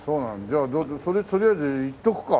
じゃあそれとりあえずいっとくか。